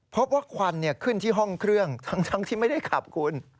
ควันขึ้นที่ห้องเครื่องทั้งที่ไม่ได้ขับคุณ